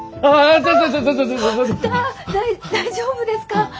あだ大丈夫ですか？